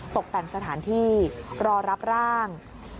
ตกแต่งสถานที่รอรับร่าง